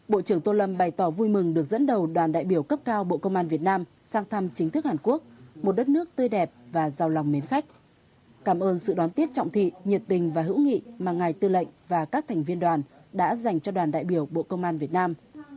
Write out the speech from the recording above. bộ trưởng tô lâm bày tỏ vui mừng được dẫn đầu đoàn đại biểu cấp cao bộ công an việt nam sang thăm chính thức hàn quốc một đất nước tươi đẹp và giàu lòng mến khách cảm ơn sự đón tiếp trọng thị nhiệt tình và hữu nghị mà ngài tư lệnh và các thành viên đoàn đã dành cho đoàn đại biểu bộ công an việt nam